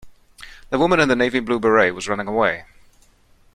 The woman in the navy blue beret was running away.